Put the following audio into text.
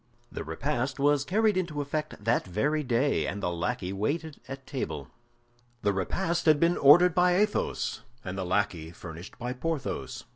The repast was carried into effect that very day, and the lackey waited at table. The repast had been ordered by Athos, and the lackey furnished by Porthos.